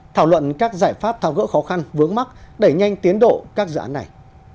thảo luận các giải pháp tháo gỡ khó khăn vướng mắc để nhanh tiến độ các dự án này